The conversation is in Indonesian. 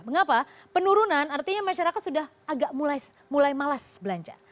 mengapa penurunan artinya masyarakat sudah agak mulai malas belanja